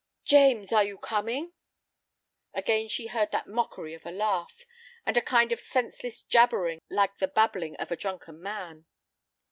"James, are you coming?" Again she heard that mockery of a laugh, and a kind of senseless jabbering like the babbling of a drunken man.